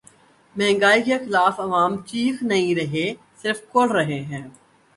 مہنگائی کے خلاف عوام چیخ بھی نہیں رہے‘ صرف کڑھ رہے ہیں۔